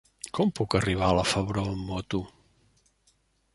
Com puc arribar a la Febró amb moto?